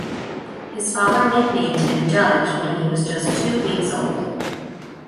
His father nicknamed him "Judge" when he was just two weeks old.